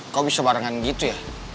kok bisa barengan gitu ya